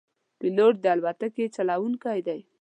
پیلوټ د الوتکې چلوونکی دی.